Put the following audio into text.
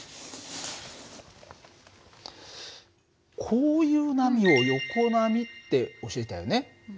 こういう波を横波って教えたよね。